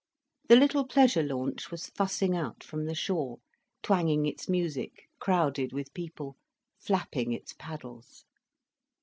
The little pleasure launch was fussing out from the shore, twanging its music, crowded with people, flapping its paddles.